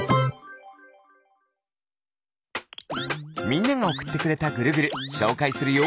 みんながおくってくれたぐるぐるしょうかいするよ。